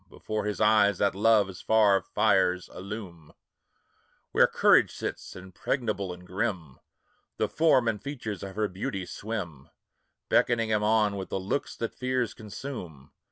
Before his eyes that love's far fires illume Where courage sits, impregnable and grim The form and features of her beauty swim, Beckoning him on with looks that fears consume.